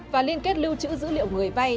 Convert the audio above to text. và liên kết lưu trữ dữ liệu người vay